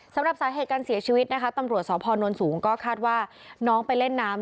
สำหรับสาเหตุการเสียชีวิตนะคะตำรวจสพนสูงก็คาดว่าน้องไปเล่นน้ำ